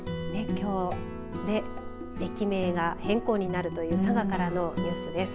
きょうね、駅名が変更になるという佐賀からのニュースです。